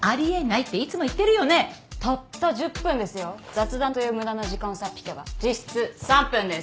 雑談という無駄な時間をさっ引けば実質３分です。